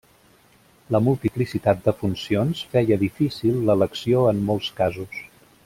La multiplicitat de funcions feia difícil l'elecció en molts casos.